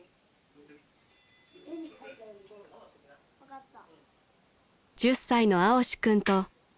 分かった。